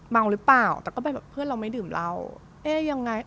เมาหรือเปล่าแต่ก็แบบเพื่อนเราไม่ดื่มเหล้าเอ๊ะยังไง